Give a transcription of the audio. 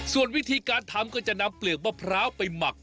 ส่วนวิธีการทำก็จะนำเปลือกมะพร้าวไปหมัก